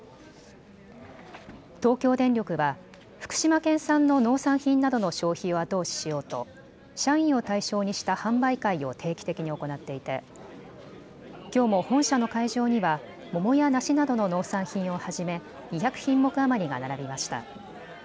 東京電力は福島県産の農産品などの消費を後押ししようと社員を対象にした販売会を定期的に行っていてきょうも本社の会場には桃や梨などの農産品をはじめ２００品目余りが並びました。